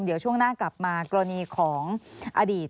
เข้ามาจำหน่วยงานไหน